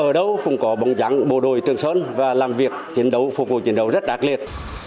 ở đâu cũng có bóng trắng bộ đội trường sơn và làm việc chiến đấu phục vụ chiến đấu rất ác liệt